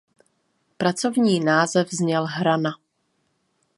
Pracovní název zněl "Hrana".